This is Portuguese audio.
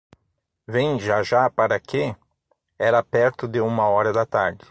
Vem, já, já, para quê? Era perto de uma hora da tarde.